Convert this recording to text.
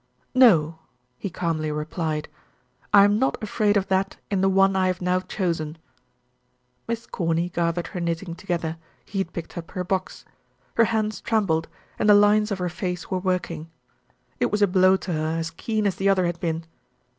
"No," he calmly replied. "I am not afraid of that in the one I have now chosen." Miss Corny gathered her knitting together, he had picked up her box. Her hands trembled, and the lines of her face were working. It was a blow to her as keen as the other had been.